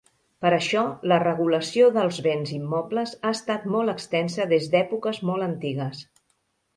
Per això, la regulació dels béns immobles ha estat molt extensa des d'èpoques molt antigues.